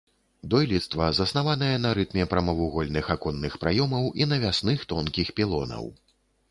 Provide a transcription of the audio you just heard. Дойлідства заснаванае на рытме прамавугольных аконных праёмаў і навясных тонкіх пілонаў.